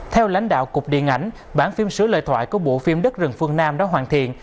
theo lãnh đạo cục điện ảnh bản phim sửa lời thoại của bộ phim đất rừng phương nam đã hoàn thiện